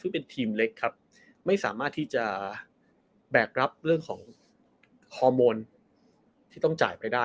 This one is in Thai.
ซึ่งเป็นทีมเล็กครับไม่สามารถที่จะแบกรับเรื่องของฮอร์โมนที่ต้องจ่ายไปได้